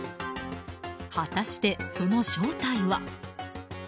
果たして、その正体は。